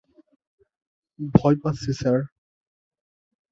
ভয় পাচ্ছি, স্যার!